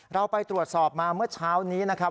เราไปตรวจสอบมาเมื่อเช้านี้นะครับ